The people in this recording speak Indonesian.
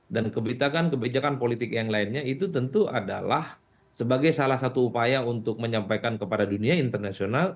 dan kebitakan kebijakan politik yang lainnya itu tentu adalah sebagai salah satu upaya untuk menyampaikan kepada dunia internasional